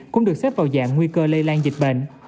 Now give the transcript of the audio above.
cũng được xếp vào dạng nguy cơ lây lan dịch bệnh